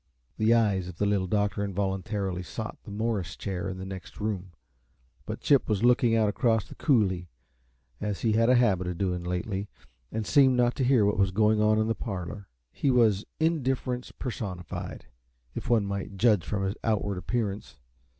The eyes of the Little Doctor involuntarily sought the Morris chair in the next room; but Chip was looking out across the coulee, as he had a habit of doing lately, and seemed not to hear what was going on in the parlor. He was indifference personified, if one might judge from his outward appearance.